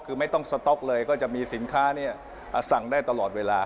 คือไม่ต้องสต๊อกเลยก็จะมีสินค้าสั่งได้ตลอดเวลา